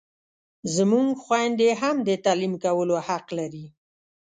زموږ خویندې هم د تعلیم کولو حق لري!